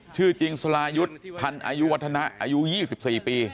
ชื่อจริงสลายุทธ์พันธ์อายุวัฒนะอายุ๒๔ปี